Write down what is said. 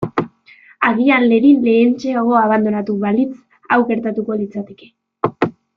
Agian Lerin lehentxeago abandonatu balitz hau gertatuko litzateke.